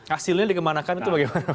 hasilnya dikemanakan itu bagaimana